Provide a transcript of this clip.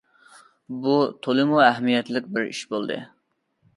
بۇ تولىمۇ ئەھمىيەتلىك بىر ئىش بولدى.